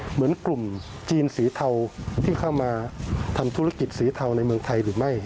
เหมือนกลุ่มจีนสีเทาที่เข้ามาทำธุรกิจสีเทาในเมืองไทยหรือไม่